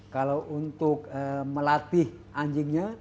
kalau untuk melatih anjingnya